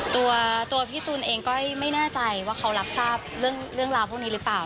ตัวพี่ตูนเองก็ไม่แน่ใจว่าเขารับทราบเรื่องราวพวกนี้หรือเปล่า